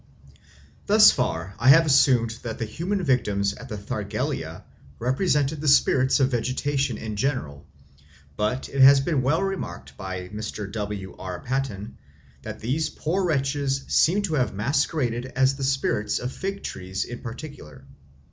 Thus far I have assumed that the human victims at the Thargelia represented the spirits of vegetation in general, but it has been well remarked by Mr. W. R. Paton that these poor wretches seem to have masqueraded as the spirits of fig trees in particular.